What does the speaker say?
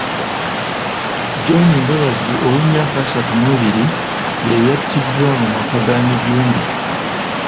John Mbabazi ow’emyaka asatu mu ebiri ye yattiddwa mu maka ga Mijumbi.